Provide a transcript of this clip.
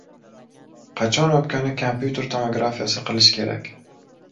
Qachon o‘pkani kompyuter tomografiyasi kilish kerak?